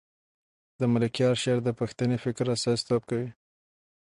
د ملکیار شعر د پښتني فکر استازیتوب کوي.